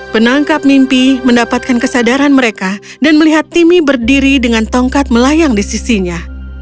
penangkap mimpi mendapatkan kesadaran mereka dan melihat timmy berdiri dengan tongkat melayang di sisinya